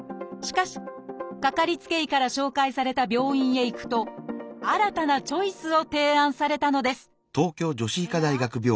しかしかかりつけ医から紹介された病院へ行くと新たなチョイスを提案されたのです。